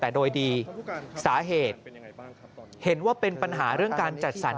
แต่โดยดีสาเหตุเห็นว่าเป็นปัญหาเรื่องการจัดสรร